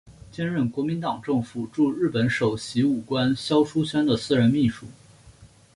兼任国民党政府驻日本首席武官肖叔宣的私人秘书。